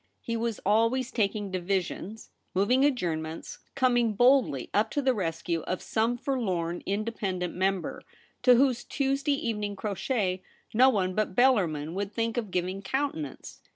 He was always taking divisions, moving adjournments, coming boldly up to the rescue of some forlorn ' independent member ' to whose Tuesday evening crotchet no one but Bellarmin would think of giving countenance.